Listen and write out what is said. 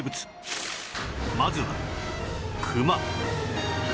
まずはクマ